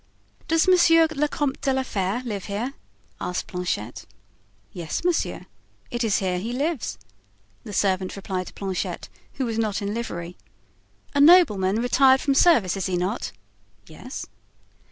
"Does Monsieur le Comte de la Fere live here?" asked Planchet. "Yes, monsieur, it is here he lives," the servant replied to Planchet, who was not in livery. "A nobleman retired from service, is he not?" "Yes."